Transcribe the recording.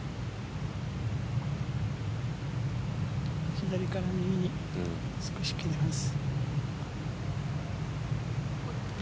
左から右に少し切れます。